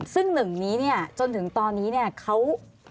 ซึ่ง๑นี้จนถึงตอนนี้เขา